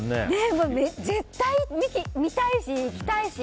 もう、絶対見たいし行きたいし。